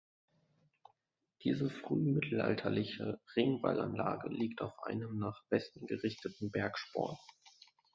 Diese frühmittelalterliche Ringwallanlage liegt auf einem nach Westen gerichteten Bergsporn.